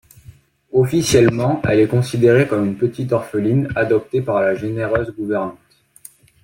Officiellement, elle est considérée comme une petite orpheline adoptée par la généreuse gouvernante.